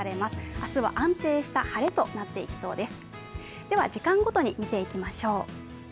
明日は安定した晴れとなっていきそうです。